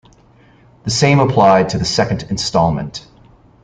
The same applied to the second instalment.